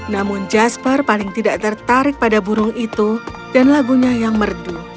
namun jasper paling tidak tertarik pada burung itu dan lagunya yang merdu